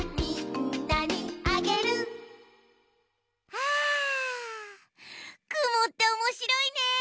あぁくもっておもしろいね。